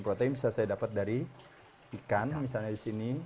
protein bisa saya dapat dari ikan misalnya di sini